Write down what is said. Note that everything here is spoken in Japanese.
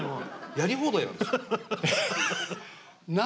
やり放題なんですよ。